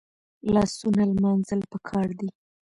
لاسونه لمانځل پکار دي